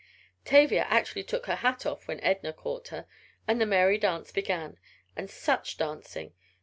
Tavia actually took her hat off when Edna caught her. Then the merry dance began, and such dancing!